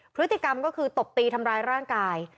พฤติกรรมก็คือตบตีทำร้ายร่างกาย